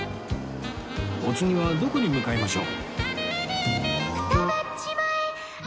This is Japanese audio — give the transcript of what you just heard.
お次はどこに向かいましょう？